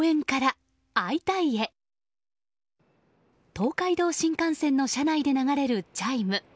東海道新幹線の車内で流れるチャイム。